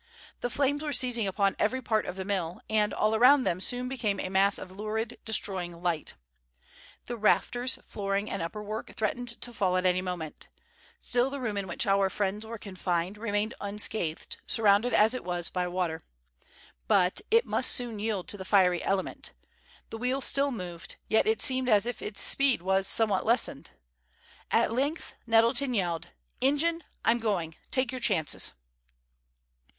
The flames were seizing upon every part of the mill, and all around them soon became a mass of lurid, destroying light. The rafters, flooring and upper work threatened to fall at any moment. Still the room in which our friends were confined remained unscathed, surrounded as it was by water. But, it must soon yield to the fiery element. The wheel still moved; yet it seemed as if its speed was somewhat lessened. At length Nettleton yelled: "Ingen, I'm going; take your chances!"